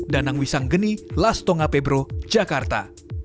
danang wisang geni lastonga februari jakarta